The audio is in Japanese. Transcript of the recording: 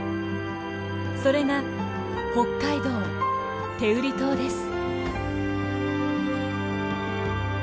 それが北海道・天売島です。